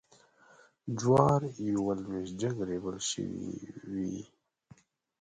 جوارېوه لویشت جګ ریبل شوي وې.